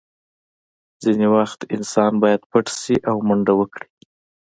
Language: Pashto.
ځینې وخت انسان باید پټ شي او منډه وکړي